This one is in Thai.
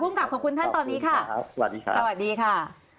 ภูมิกลับขอบคุณท่านตอนนี้ค่ะสวัสดีค่ะ